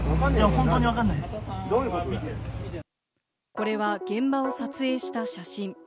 これは現場を撮影した写真。